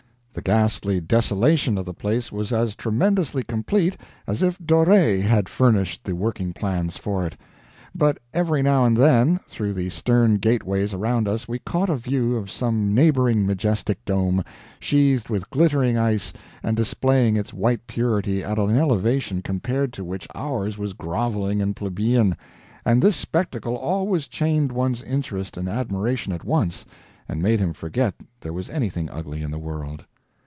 The ghastly desolation of the place was as tremendously complete as if Doré had furnished the working plans for it. But every now and then, through the stern gateways around us we caught a view of some neighboring majestic dome, sheathed with glittering ice, and displaying its white purity at an elevation compared to which ours was groveling and plebeian, and this spectacle always chained one's interest and admiration at once, and made him forget there was anything ugly in the world.